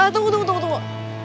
tunggu tunggu tunggu